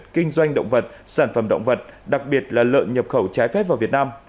kinh doanh động vật sản phẩm động vật đặc biệt là lợn nhập khẩu trái phép vào việt nam